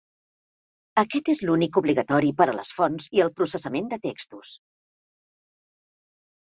Aquest és l'únic obligatori per a les fonts i el processament de textos.